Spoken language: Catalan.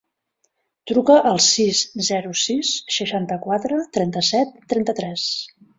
Truca al sis, zero, sis, seixanta-quatre, trenta-set, trenta-tres.